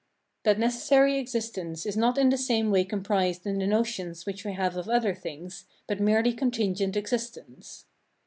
That necessary existence is not in the same way comprised in the notions which we have of other things, but merely contingent existence.